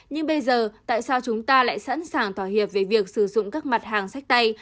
nhưng bây giờ tại sao chúng ta lại sẵn sàng thỏa hiệp về việc sử dụng các mặt hàng sách tay